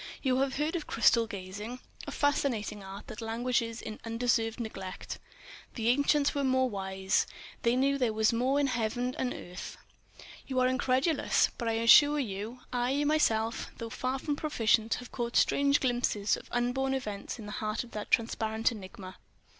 "You have heard of crystal gazing? A fascinating art that languishes in undeserved neglect. The ancients were more wise, they knew there was more in Heaven and Earth.... You are incredulous? But I assure you, I myself, though far from proficient, have caught strange glimpses of unborn events in the heart of that transparent enigma."